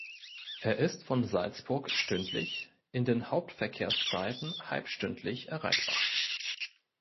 Er ist von Salzburg stündlich, in den Hauptverkehrszeiten halbstündlich erreichbar.